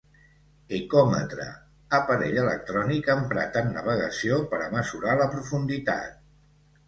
Ecòmetre: Aparell electrònic emprat en navegació per a mesurar la profunditat.